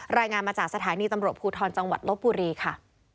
รายงานมาจากสถานีตำรวจภูทรจังหวัดลบบุรีค่ะ